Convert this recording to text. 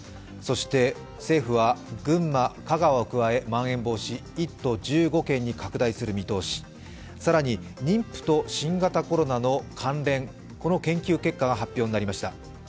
そして、政府は群馬、香川を加えまん延防止、１都１５県に拡大する見通し更に妊婦と新型コロナの関連、この研究結果が発表になりました。